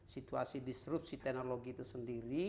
situasi disrupsi teknologi itu sendiri